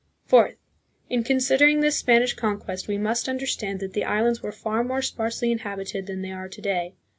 Fourth. In considering this Spanish conquest, we must understand that the islands were far more sparsely inhabited than they are to day.